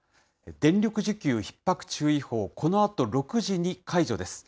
電力需給ひっ迫注意報、このあと６時に解除です。